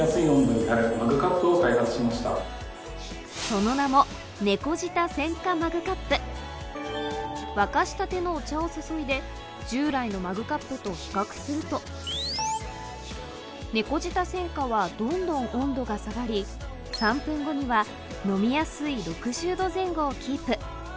その名も猫舌専科マグカップ沸かしたてのお茶を注いで従来のマグカップと比較すると猫舌専科はどんどん温度が下がり３分後には飲みやすい６０℃前後をキープ